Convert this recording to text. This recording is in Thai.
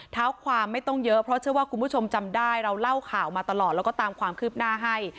เท้าความไม่ต้องเยอะเพราะเชื่อว่าคุณผู้ชมจำได้เราเล่าข่าวมาตลอดแล้วก็ตามความคืบหน้าให้